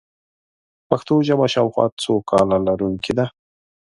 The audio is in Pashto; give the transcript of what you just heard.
پښتو ژبه شاوخوا څو کاله لرونکې ده.